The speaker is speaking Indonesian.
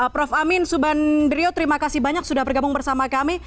prof amin subandrio terima kasih banyak sudah bergabung bersama kami